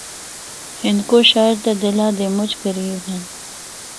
ہندکو شاعر تے دلا دے مُچ قریب ہن۔